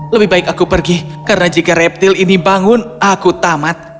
lebih baik aku pergi karena jika reptil ini bangun aku tamat